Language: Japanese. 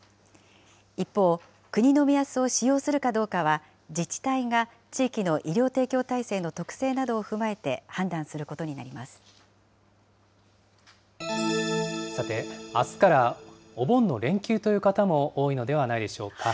一方、国の目安を使用するかどうかは、自治体が地域の医療提供体制の特性などを踏まえて判断することにさて、あすからお盆の連休という方も多いのではないでしょうか。